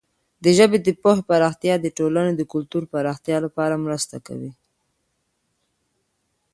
د ژبې د پوهې پراختیا د ټولنې د کلتوري پراختیا لپاره مرسته کوي.